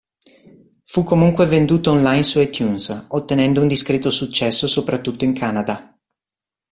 Fu comunque venduto on-line su iTunes, ottenendo un discreto successo soprattutto in Canada.